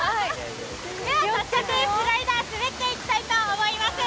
では、早速スライダー、滑っていきたいと思います。